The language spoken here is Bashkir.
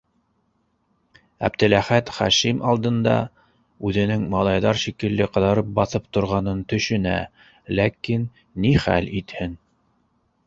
Әптеләхәт Хашим алдында үҙенең малайҙар шикелле ҡыҙарып баҫып торғанын төшөнә, ләкин ни хәл итһен?